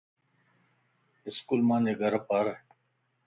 اسڪول مانجي گھر پار